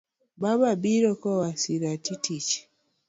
Baba biro koa shirati tich.